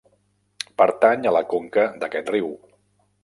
Pertany a la conca d'aquest riu.